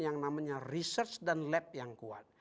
yang namanya research dan lab yang kuat